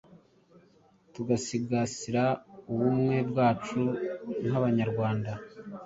tugasigasira ubumwe bwacu nk’Abanyarwanda.